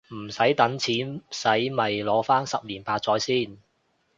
唔等錢洗咪擺返十年八載先